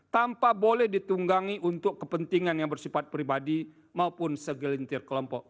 tanpa boleh ditunggangi untuk kepentingan yang bersifat pribadi maupun segelintir kelompok